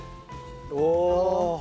おお。